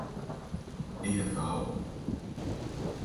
Herval